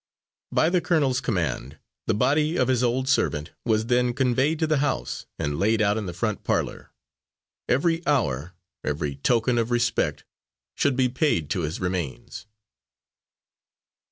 By the colonel's command, the body of his old servant was then conveyed to the house and laid out in the front parlour. Every honour, every token of respect, should be paid to his remains.